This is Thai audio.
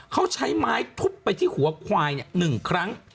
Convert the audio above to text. เขาใช้ไม้ทุบไปที่หัวควาย๑ครั้ง